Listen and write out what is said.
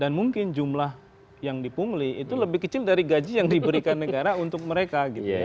dan mungkin jumlah yang di pungli itu lebih kecil dari gaji yang diberikan negara untuk mereka